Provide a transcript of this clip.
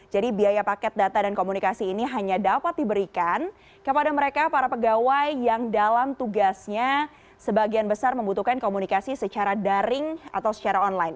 jadi biaya paket data dan komunikasi ini hanya dapat diberikan kepada mereka para pegawai yang dalam tugasnya sebagian besar membutuhkan komunikasi secara daring atau secara online